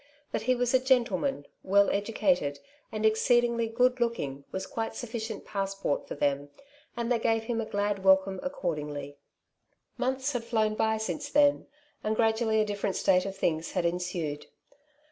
That he was a gentleman, well educated and ex ceedingly good looking, was quite sufficient pass port for them, and they gave him a glad welcome accordingly. Months had flown by since then, and gradually a different state of things had ensued.